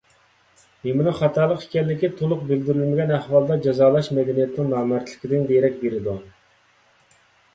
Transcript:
نېمىنىڭ خاتالىق ئىكەنلىكى تولۇق بىلدۈرۈلمىگەن ئەھۋالدا جازالاش مەدەنىيەتنىڭ نامەردلىكىدىن دېرەك بېرىدۇ.